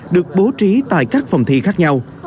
được bố trí tại các phòng thi khác nhau